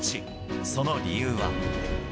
その理由は。